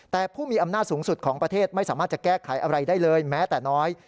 แต่ผู้มีอำนาจสูงสุดของประเทศไม่สามารถจะแก้ไขอะไรได้เลยแม้แต่น้อย